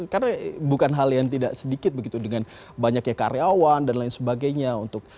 karena bukan hal yang tidak sedikit begitu dengan banyaknya karyawan dan lain sebagainya